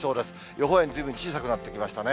予報円、ずいぶん小さくなってきましたね。